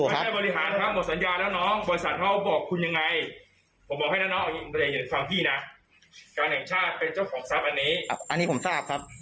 การแห่งชาติเป็นเจ้าของทรัพย์อันนี้อันนี้ผมทราบครับ